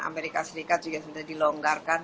amerika serikat juga sudah dilonggarkan